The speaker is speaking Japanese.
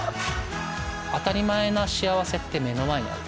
当たり前な幸せって目の前にある。